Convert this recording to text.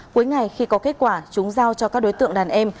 cuối ngày khi có kết quả chúng giao cho các đối tượng đàn em